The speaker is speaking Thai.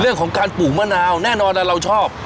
เรื่องของการปลูกมะนาวแน่นอนเราชอบ